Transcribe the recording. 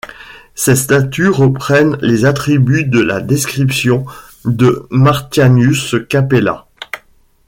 Ces statues reprennent les attributs de la description de Martianus Capella.